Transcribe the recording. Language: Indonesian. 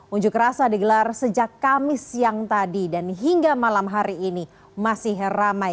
unjuk rasa digelar sejak kamis siang tadi dan hingga malam hari ini masih ramai